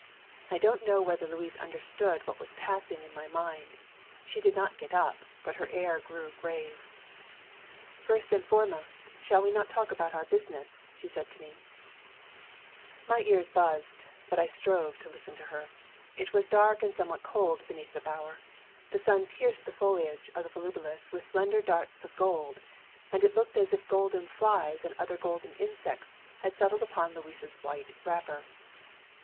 I don't know whether Louise understood what was passing in my mind ; she did not get up, but her air grew grave. "First and foremost, shall we talk about our business? " she said to me. IN THE VOLUBILIS BOWER. 53 Mj ears buzzed, but I strove to listen to her. It was dark and somewhat cold beneath the bovver. The sun pierced the foliage of the volubilis with slender darts of gold; and it looked as if golden flies and other golden insects had settled upon Louise's white wrapper.